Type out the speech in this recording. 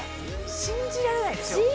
信じられないでしょ？